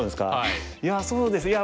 いやそうですね